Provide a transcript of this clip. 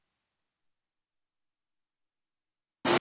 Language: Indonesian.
sejauh mana kita jujur terhadap demokrasi